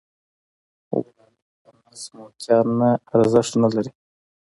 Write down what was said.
غلامي په نس موړتیا نه ارزښت نلري.